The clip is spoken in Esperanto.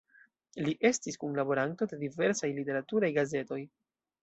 Li estis kunlaboranto de diversaj literaturaj gazetoj.